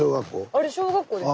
あれ小学校ですよ。